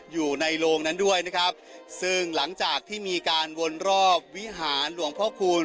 อยู่ในโรงนั้นด้วยนะครับซึ่งหลังจากที่มีการวนรอบวิหารหลวงพ่อคูณ